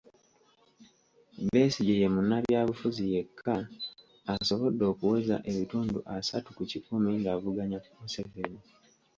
Besigye ye munnabyabufuzi yekka asobodde okuweza ebitundu asatu ku kikumi ng'avuganya Museveni.